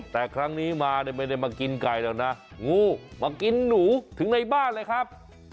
แต่ครั้งนี้มาเนี่ยไม่ได้มากินไก่หรอกนะงูมากินหนูถึงในบ้านเลยครับ